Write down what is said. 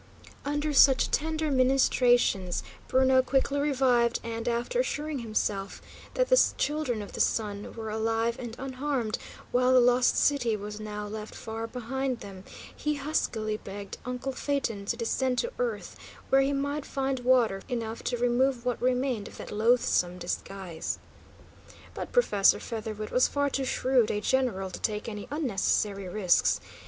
Under such tender ministrations, Bruno quickly revived, and, after assuring himself that the Children of the Sun were alive and unharmed, while the Lost City was now left far behind them, he huskily begged uncle Phaeton to descend to earth, where he might find water enough to remove what remained of that loathsome disguise! But Professor Featherwit was far too shrewd a general to take any unnecessary risks.